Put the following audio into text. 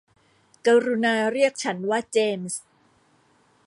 กรุณาเรียกฉันว่าเจมส์